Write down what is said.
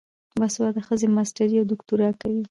باسواده ښځې ماسټري او دوکتورا کوي.